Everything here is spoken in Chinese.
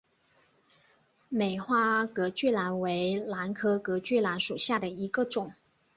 美花隔距兰为兰科隔距兰属下的一个种。